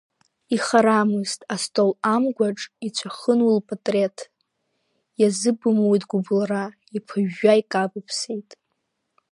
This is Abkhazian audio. Ихарамызт астол амгәаҿ иҵәахын уи лпатреҭ, иазыбымуит гәбылра, иԥыжәжәа икабԥсеит.